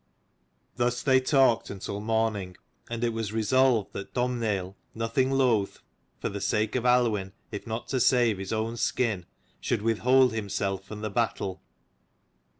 Thus they talked until morning, and it was resolved that Domhnaill, nothing loath, for the sake of Aluinn if not to save his own skin, should withhold himself from the battle.